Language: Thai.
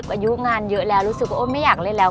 อายุงานเยอะแล้วรู้สึกว่าไม่อยากเล่นแล้ว